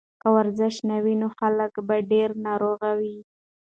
که ورزش نه وای نو خلک به ډېر ناروغه وو.